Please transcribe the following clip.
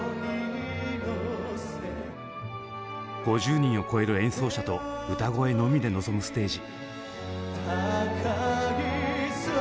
５０人を超える演奏者と歌声のみで臨むステージ。